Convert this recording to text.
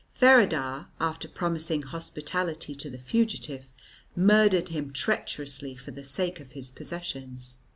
Feradagh, after promising hospitality to the fugitive, murdered him treacherously for the sake of his possessions.